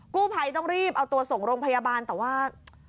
กู้ภัยต้องรีบเอาตัวส่งโรงพยาบาลแต่ว่า